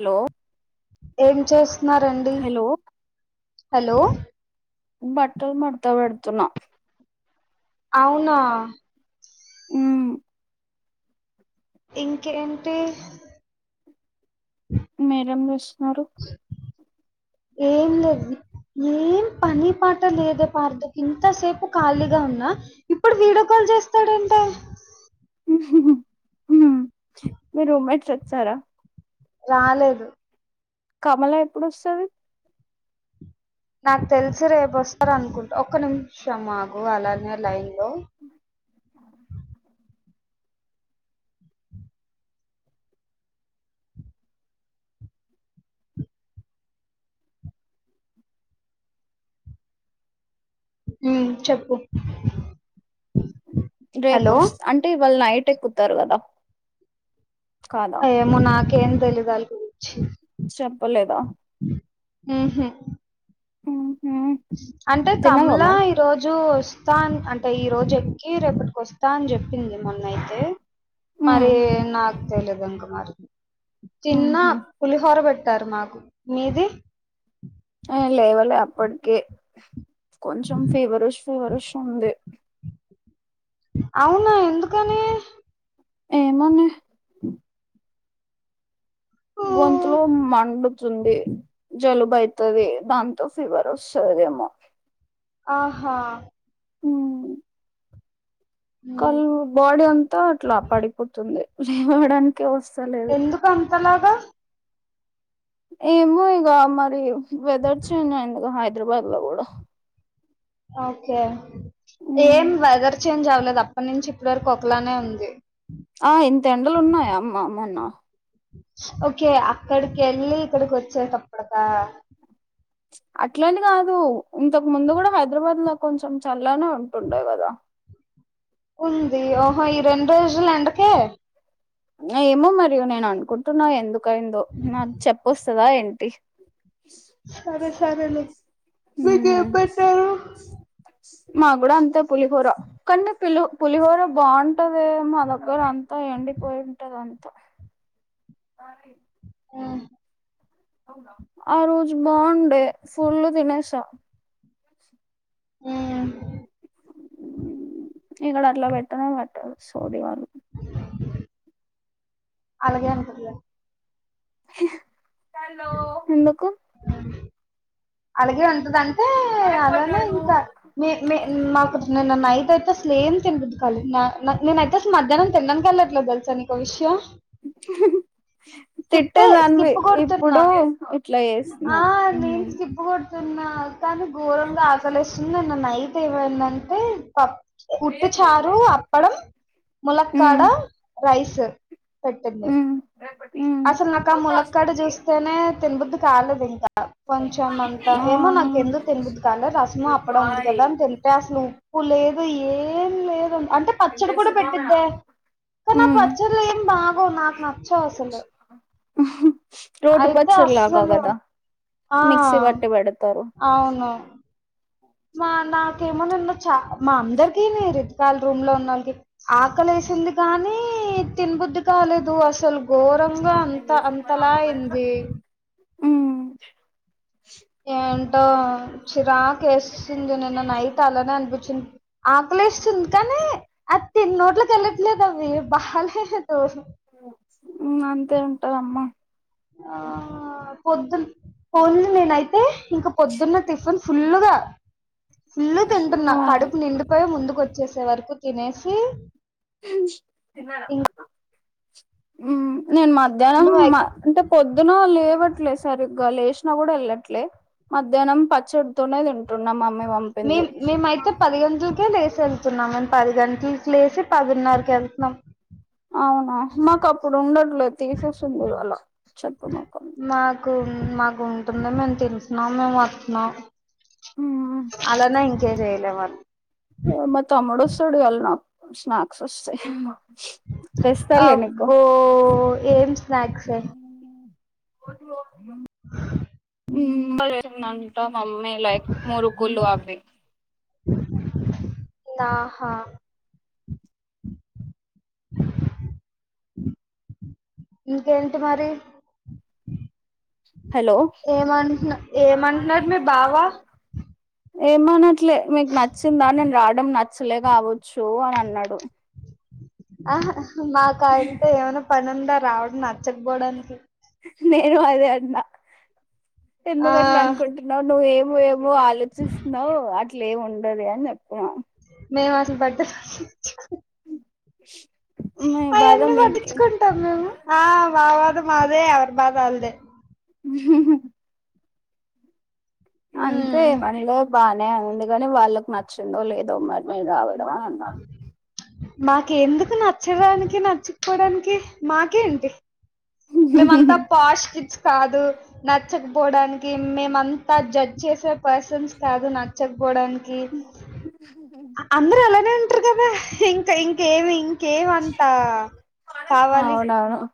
Hello ఏం చేస్తున్నారండి hello hello బట్టలు మడత పెడుతున్నా అవునా ఉ ఇంకేంటి మీరేం చేస్తున్నారు ఏం లేదు ఏం పని పాట లేదే పార్దుకి ఇంతసేపు ఖాళీగా ఉన్నా ఇప్పుడు వీడియో కాల్ చేస్తాడెంటే మీ రూమెట్స్ వచ్చారా రాలేదు కమలా ఎప్పుడు వస్తది నాకు తెలిసి రేపు వస్తారు అనుకుంటా ఒక్క నిమిషం ఆగు అలానే లైన్ లో ఉ చెప్పు రేపు హలో వాస్ అంటే ఇవాళ్ళ నైట్ ఎక్కుతారు కదా కాదా ఏమో నాకేం తెలిదు దాలగురించి చెప్పలేదా ఉహు మ్మ్ అంటే తిన్నావా కమలా మరి ఇ రోజు వస్తా అంటే ఈ రోజు ఎక్కి రేపటికి వస్తా అని చెప్పింది మొన్నయితే మరి మ్మ్ నాకు తెలిదు అండి మరి మ్మ్ చిన్న హ్మ్ పులిహోర పెట్టారు మాకు మీది ఆ లేవలే అప్పటికి కొంచెం ఫీవరుష్ ఫీవరుష్ ఉంది అవును ఎందుకని ఏమోనే ఊ గొంతు మండుతుంది జలుబు అయితుది దాంతో ఫీవర్ వస్తుదేమో ఆహా ఉ ఉమ్ కల్ బాడీ అంతా అట్లా పడిపోతుంది లేవడానికి వస్తలేదు కొంతలాగా ఏమో ఇగ మరి వెదర్ చేంజ్ అయింది గా హైదరాబాద్ లో కూడా ఓకే ఏం మ్ వెదర్ చేంజ్ అవలేదు అప్పటి నుంచి ఇప్పడు వరకు ఒకలానే ఉంది ఆ ఇంత ఎండలు ఉన్నాయా అమ్మ అమ్మ మొన్న ఓకే అక్కడికి వెళ్ళి ఇక్కడికి వచ్చేటప్పడక అట్లా అని కాదు ఇంతకు ముందు కూడా హైదరాబాద్ లో కొంచెం చల్లనే ఉంటుండే గదా ఉంది ఓహో ఈ రెండు రోజులు ఎండకే ఏమో మరీ నేను అనుకుంటున్నా ఎందుకైందో నాకు చెప్పొస్తదా ఏంటి సరే సరే లే మీకేం పెట్టారు మాగుడా అంతే పులిహోర కన్ని పిలి పులిహోర బాగుం టది మా దగ్గర అంతా ఎండిపోయి ఉంటది అంతా హూ ఆ రోజు బాగుండే ఫుల్ తినేసా ఉ ఇక్కడ అట్లా పెట్టనే పెట్టరు సోది గాళ్ళు అలాగే అనుకుంటియ ఎందుకు అలాగే ఉంటదింటే అలానే ఇంకా మీ మీ మాకు నిన్న నైట్ అయితే అసలు ఏం తినబుద్ధి కాలే న నా నేనై తెస్ మధ్యానం తిండానికి ఎళ్లట్లే తెలుసా నీకో విషయం స్కిప్ తిట్టేదాన్వి స్కిప్ కొడుతున్నా ఇప్పుడు ఇట్లా చేస్తునవ్ తున్న కానీ ఘోరంగా ఆకలేసుంది నిన్న నైట్ ఏమైందంటే పప్ ఉట్టి చారు, అప్పడం, ములక్కడ, ఉమ్ రైస్ పెట్టింది ఉమ్ అసలు నాకు ఆ ములక్కడ చూస్తేనే తిన్బుద్ది కాలేదు ఇంకా కొంచెం అంత ఆ ఏమో నాక్ ఎందుకు తిన్బుద్ధి కాలే, రసము అప్పడం ఉంది కదా అన్ తిన్ అసలు ఉప్పు లేదు ఏం లేదు అంటే పచ్చడి కూడా పెట్టిద్దే, కానీ ఆ ఉమ్ పచ్చడ్లు ఏం బాగో నాకు నచ్చవ్ అసలు రోటి అయితే పచ్చడిలాగా అస్సలు కదా ఆ మిక్సీ పట్టి పెడతారు అవును మా నాకేమో నిన్న చ మా అందరికి నీ రీతిక రూమ్ లో ఉన్నళ్ళకి ఆకలేసింది కానీ తిన్బుద్ధి కాలేదు అసలు ఘోరంగా అంత అంతలా అయింది ఉ ఏంటో చిరాక ఎస్సుంది, నిన్న నైట్ అలానే అనిపిచింది. ఆకలేస్తుంది కానీ, అది తిన్ నోట్లకి ఎళ్ళట్లేదు అవి బాలేదు. ఉ అంతే అంటదమ్మ ఆ పొద్దు పొదు నేనైతే ఇంకా పొద్దున్న టిఫిన్ ఫుల్ గా ఫుల్ తింటున్నా కడుపు నిండిపోయ ముందుకు వచ్చేస్ చే వరకు తినేసి ఇంక నేన్ మధ్యానం నువ్వు వ అంటే పొద్దున లేవట్లే సరిగ్గా, లేశినా కూడా వెళ్ళట్లే. మధ్యానం పచ్చిడి తోనే తింటున్న మమ్మీ పంప్ మీ మీమైతే పది గంట్లకే లేసి ఎళ్తున్నాం. నె పది గంట్లకే లేసి పదిన్నరకి ఎళ్తున్నాం. అవునా మాకు అప్పుడు ఉండట్లేదు తీసేసింది అలా చెత్త మొకం కు మాకు ఉంటున్నాం మేము తెలిసినం మేము వత్తునం అలానే ఇంకే చేయలే వాళ్ మా తమ్ముడు వస్తడు ఈయల నాక్ స్నాక్స్ వస్తయ్ తెస్తాలే నీకు ఓ ఏం స్నాక్సే ఆ హ్మ్మ్ నంట మమ్మీ లైక్ మురుకులు అవి నాహా ఇంకేంటి మరి? హలో ఏమంటున ఏమంటునర్ మీ బావ ఏమనట్లే మీకు నచ్చిందా నేను రావడం? నచ్చలే కావచ్చు అన్ అన్నడు. ఆహ్ మాకు ఆయనతో ఏమైనా పని ఉందా రావడం నచ్చకపోవడానికి నేను అదే అన్నా ఎందు ఆ గట్లు అనుకుంటున్నావు నువ్వ ఏమో ఏమో నువ్వు ఆలోచిస్తున్నావు అట్లే ఏమి ఉండది అని చెప్తున్న మేము అసలు పట్ట మీ బాధ అవన్నీ మీకే పట్టించుకుంటాం ఆ మా బాధ మాదే ఎవర్ బాధ ఆల్దే అంతే ఉమ్ మనలో బానే ఉన్నింది కాని వాళ్ళకి నచ్చిందో లేదో మరి మేము రావడం అని అన్నాను మాకు ఎందుకు నచ్చడానికి నచ్చకపోవడానికి మాకేంటి మేమంతా పాష్ కిడ్స్ కాదు నచ్చకపోవడానికి మేమంతా జడ్జ్ చేసే పర్సన్స్ కాదు నచ్చకపోవడానికి అందరు అలానే ఉంటారు కదా ఇంకా ఇంకేమి కేవ అంతా కావాలి అవును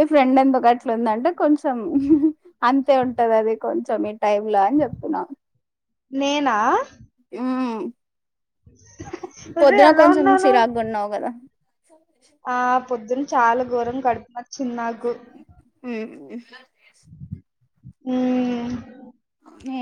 ఈ ఫ్రెండ్ ఎందుక అట్లా ఉందంటే కొంచెం అంతే ఉంటది అది కొంచెం ఇట్ టైం లా అని చెప్తున్నా నేనా మ్ అదే పొద్దున ఎలా కొంచెం ఉన్నాను చిరాగున్నవ్ గదా ఆ పొద్దున్న చాలా ఘోరం గడుపు న చ్చినాగు ఉ మ్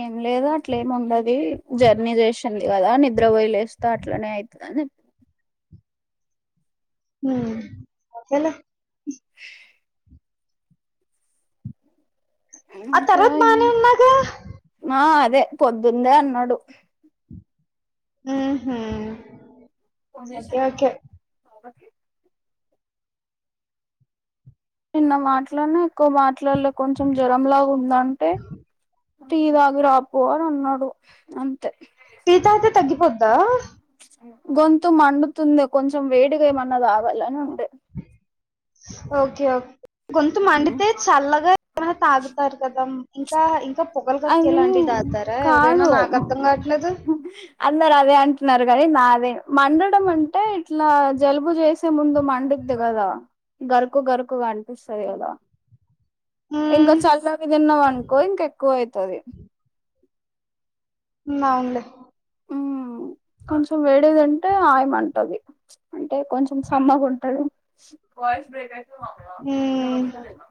ఏం లేదు అట్లేమి ఉండవి జర్నీ చేసింది కదా నిద్రపోయి లే ఇస్త అట్లనే అయితదని మ్ అంతేలే ఆ ఇంకా తర్వాత ఎం బానే ఉన్నాగా మ్ హు కొనేశారా మరి పాపకి చిన్న మాటలనే ఎక్కువ మాట్లాడలే కొంచెం జ్వరంలా గుందంటే టీ తాగి రాపో అని అన్నాడు అంతే టీ తాగితే తగ్గిపోద్దా గొంతు మండుతుంది కొంచెం వేడిగా ఏమన్నా తాగాలని ఉండే ఓకే ఓక్ గొంతు మండితే చల్లగా ఏమైనా తాగుతారు కదా ఇంకా ఇంకా పొగలు అది కక్కేలాంటివి తాగుతారా ఎవరైనా కాదు నాకు అర్ధం కాట్లేదు అందరు అదే అంటున్నారు కానీ నాదే మండడం అంటే ఇట్లా జలుబు చేసి సే ముందు మండుద్ది కదా గరుకు గరుకుగా అనిపిస్తది కదా ఇంకా హ్మ్. చల్లగా తిన్నావ్ అనుకో ఇంకా ఎక్కువ అయితది మ్ అవున్లే ఉ కొంచెం వేడేదింటే ఆయ్ మంటది అంటే కొంచెం సమ్మగా ఉంటది మ్ మేం వస్తలేమా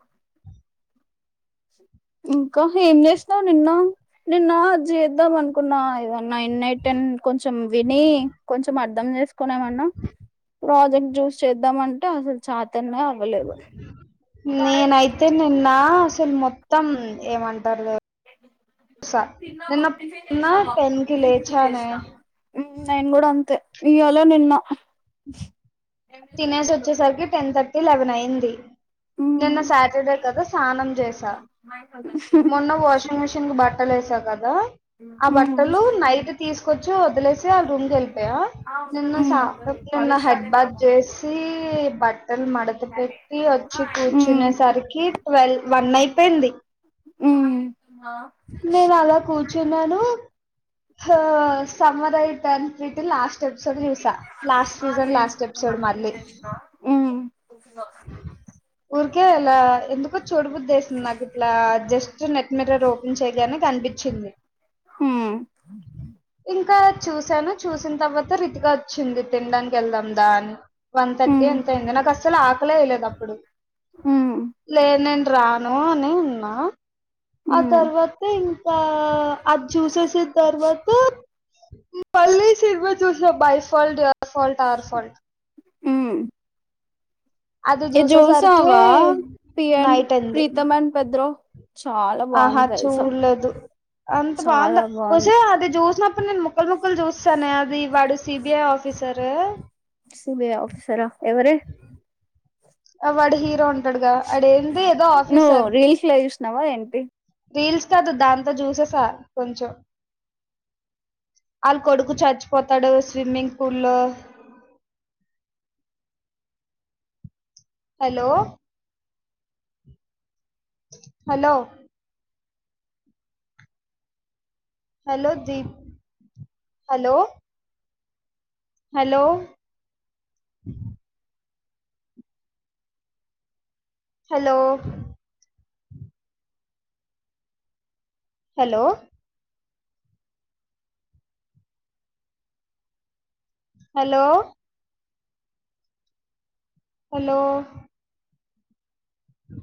ఇంకా ఏం చేసినావు నిన్న నిన్న అద్ చేద్దాం అనుకున్నా ఏదో నైన్ [unintelligible] టెన్ కొంచెం విని కొంచెం అర్ధం చేసుకునేమన్న ప్రాజెక్ట్ చూస్ చేద్దాంటే అసలు చాతనే అవ్వలేదు నేనైతే నిన్న అసలు మొత్తం ఏమంటారు [unintelligible] నిన్న టెన్కి లేచ నే నేను కూడ అంతే ఇయల నిన్న తినేసి వచ్చేసరికి టెన్ థర్టీ లెవెన్ అయ్యింది నిన్న సాటర్డే కదా స్నానం చేస మొన్న వాషింగ్ మిషిన్ కు బ బట్టలు ఏస కదా ఆ బట్టలు నైట్ తీసుకొచ్చి వదిలేసి ఆళ్ళ రూమ్ కి వెళ్ళిపోయా నిన్న సా నిన్న హెడ్బాద్ వేసి బట్టలు మడత పెట్టి వచ్చి కూర్చునేసరికి ట్వల్ వన్ అయిపోయింది నేను అల కూర్చున్నాను సమ్మర్ అయిట్ అన్ pretty last episode [unintelligible] last season last ఎ ఉ ఊరికే ఇల ఎందుకో చూడు బుద్దేసింది నాకు ఇలా జస్ట్ నెట్ మిరర్ ఓపెన్ చేయగానే కనిపించింది హు ఇంక చూసాను చూసిన తర్వాత రీతిక వచ్చింది తినడానికి వెళ్దాం దా అని వన్ థర్టీ ఎంతో అయింది నాకు అస్సలు ఆకలియలేదు అప్పుడు లేదు నేను రాను అనే ఉన్న ఆ తర్వాత ఇంకా అది చూససి తర్వాత మళ్ళీ సినిగమా చూసా బైఫాల్ట్ ఆ ఫోల్ట్ ఆర్ [unintelligible] ఉ అది ఏ చూసేసరికి జూసవా పిం నైట్ అయింది ప్రీతమ అండ్ పద్రో ఆహా చూడలేదు చాలా బాగుంది ముక్కలు ముక్కలు చూస్తానే అది వాడు సిబిఐ ఆఫీసర్ సిబిఐ ఆఫీసర ఎవరే ఆ వాడు హీరో ఉంటాడుగా వాడు ఏంది ఏదో నువ్వు ఆఫీసర్ [unintelligible] రీల్స్ కాదు దాంతో చూసేస కొం [unintelligible] వాళ్ళ కొడుకు చచ్చిపోతాడు స్విమ్మింగ్ పూల్ల్లో హలో హలో హలో ది hello hello hello hello hello hello అ